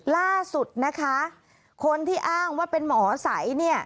ล่าสุดนะคะคนที่อ้างว่าเป็นหมอใสเนี่ย